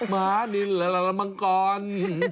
หานินมังกร